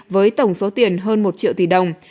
với tổng số tiền hơn một triệu tỷ đồng